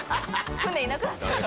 船いなくなっちゃう。